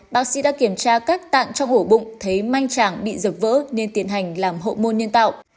bác sĩ đã kiểm tra các tạng cho hổ bụng thấy manh chảng bị dập vỡ nên tiến hành làm hộ môn nhân tạo